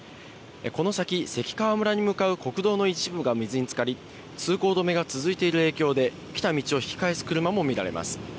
この先、関川村に向かう国道の一部が水につかり、通行止めが続いている影響で、来た道を引き返す車も見られます。